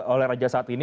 oleh raja saat ini